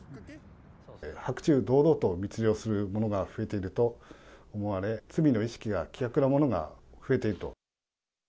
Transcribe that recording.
白昼堂々と密漁するものが増えていると思われ、罪の意識が希薄なものが増えていると。